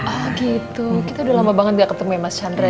ah gitu kita udah lama banget gak ketemu ya mas chandra